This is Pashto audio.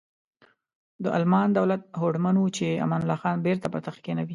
د المان دولت هوډمن و چې امان الله خان بیرته پر تخت کینوي.